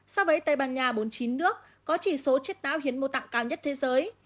sau ấy tây ban nha bốn mươi chín nước có chỉ số chết náo hiến mô tạng cao nhất thế giới